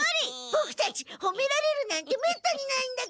ボクたちほめられるなんてめったにないんだから。